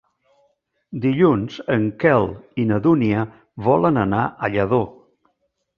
Dilluns en Quel i na Dúnia volen anar a Lladó.